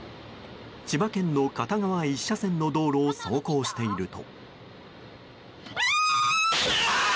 千葉県の片側１車線の道路を走行していると。